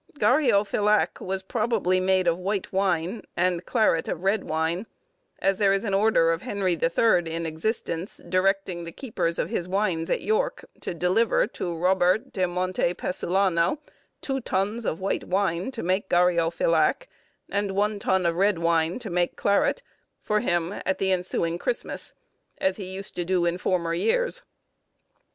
Garhiofilac was probably made of white wine, and claret of red wine, as there is an order of Henry the Third in existence, directing the keepers of his wines at York, to deliver to Robert de Monte Pessulano two tuns of white wine to make garhiofilac, and one tun of red wine to make claret for him at the ensuing Christmas, as he used to do in former years.